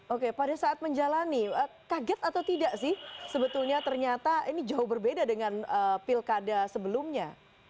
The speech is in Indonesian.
oke pada saat menjalani kaget atau tidak sih sebetulnya ternyata ini jauh berbeda dengan pilkada sebelumnya